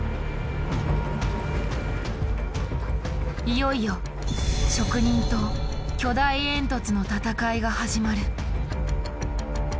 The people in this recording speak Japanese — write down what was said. いよいよ職人と巨大煙突の戦いが始まる。